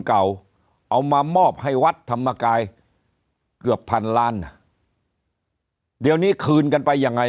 เก่าเอามามอบให้วัดธรรมกายเกือบพันล้านเดี๋ยวนี้คืนกันไปยังไง